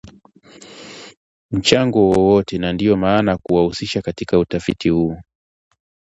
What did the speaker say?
mchango wowote na ndio maana hakuwahusisha katika utafiti huu